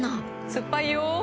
酸っぱいよ。